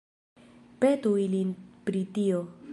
Petu ilin pri tio.